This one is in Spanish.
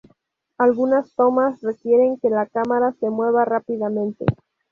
Algunas tomas requieren que la cámara se mueva rápidamente.